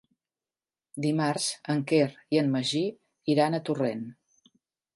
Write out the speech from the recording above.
Dimarts en Quer i en Magí iran a Torrent.